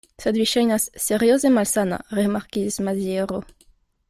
Sed vi ŝajnas serioze malsana, rimarkigis Maziero.